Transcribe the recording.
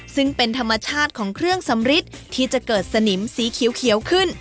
ซึ่งเป็นธรรมชาติของเครื่องสำริดที่จะเกิดสนิมสีเขียวขึ้น